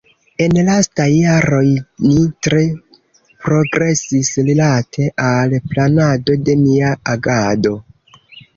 En lastaj jaroj ni tre progresis rilate al planado de nia agado.